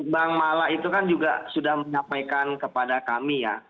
bang mala itu kan juga sudah menyampaikan kepada kami ya